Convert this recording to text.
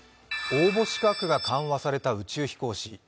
応募資格が緩和された宇宙飛行士。